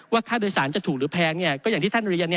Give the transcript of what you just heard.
ค่าโดยสารจะถูกหรือแพงก็อย่างที่ท่านเรียน